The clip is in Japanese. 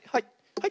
はい。